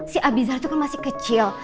si abizar itu kan masih kecil